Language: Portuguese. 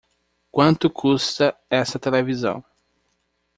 Quanta custa essa televisão?